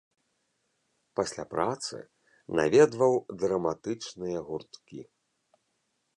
Пасля працы наведваў драматычныя гурткі.